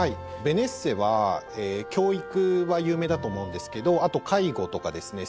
ベネッセは教育は有名だと思うんですけどあと介護とかですね